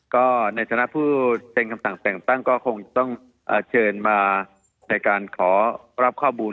ก็ในฐานะผู้เซ็นคำสั่งแต่งตั้งก็คงต้องเชิญมาในการขอรับข้อมูล